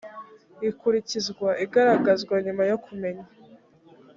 ikurikizwa igaragazwa nyuma yo kumenya